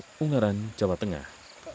ardi widodo ungaran jawa tengah